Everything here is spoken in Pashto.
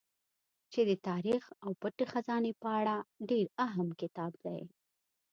چې د تاريڅ او پټې خزانې په اړه ډېر اهم کتاب دی